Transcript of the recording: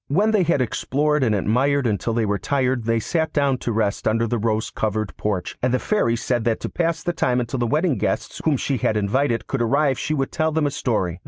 When they had explored and admired until they were tired they sat down to rest under the rose covered porch, and the Fairy said that to pass the time until the wedding guests whom she had invited could arrive she would tell them a story.